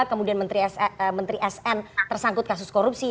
kemudian menteri sn tersangkut kasus korupsi